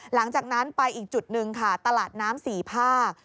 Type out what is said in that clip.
หลังจากนั้นไปอีกจุดหนึ่งค่ะตลาดน้ำสี่ภาค